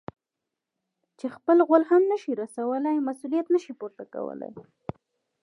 چې خپل غول هم نه شي رسولاى؛ مسؤلیت نه شي پورته کولای.